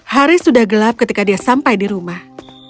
hari sudah gelap ketika dia sampai di rumah